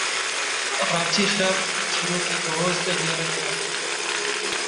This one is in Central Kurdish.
راوچیی خراپ چیرۆکی بەهۆز دەگێڕێتەوە